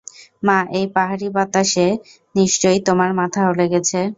মা, এই পাহাড়ি বাতাসে নিশ্চয়ই তোমার মাথা আউলে গেছে!